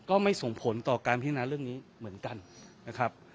ก็ไม่ส่งผลต่อการพิจารณาเรื่องนี้เหมือนกันนะครับ